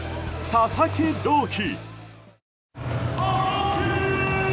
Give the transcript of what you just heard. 佐々木朗希！